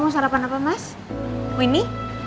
mau sarapan apa mas mau ini